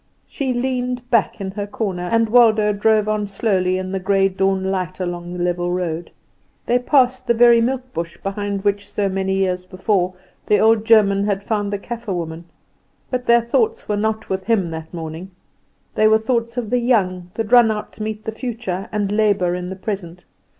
She leaned back in her corner, and Waldo drove on slowly in the grey dawn light along the level road. They passed the very milk bush behind which so many years before the old German had found the Kaffer woman. But their thoughts were not with him that morning: they were the thoughts of the young, that run out to meet the future, and labour in the present.